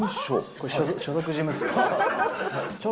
これ、所属事務所。